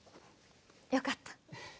よかった。